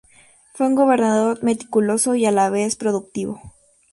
Fue un grabador meticuloso y a la vez productivo.